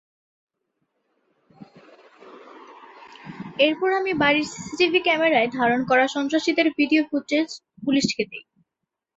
এরপর আমি বাড়ির সিসিটিভি ক্যামেরায় ধারণ করা সন্ত্রাসীদের ভিডিও ফুটেজ পুলিশকে দিই।